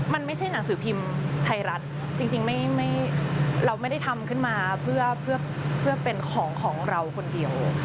มันไม่ใช่หนังสือพิมพ์ไทยรัฐจริงเราไม่ได้ทำขึ้นมาเพื่อเป็นของของเราคนเดียว